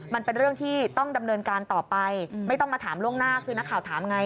มันเป็นเรื่องที่ต้องดำเนินการต่อไปไม่ต้องมาถามล่วงหน้าคือนักข่าวถามไง